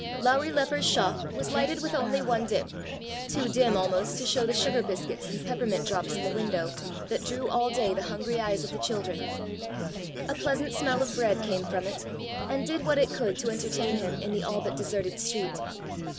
Lowrie Leper's shop was lighted with only one dip, too dim almost to show the sugar biscuits and peppermint drops in the window, that drew all day the hungry eyes of the children. A pleasant smell of bread came from it, and did what it could to entertain him in the all but deserted street.